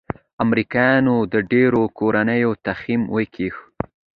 امریکايانو د ډېرو کورنيو تخم وکيښ.